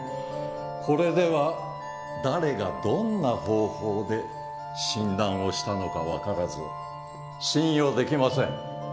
これでは誰がどんな方法で診断をしたのか分からず信用できません。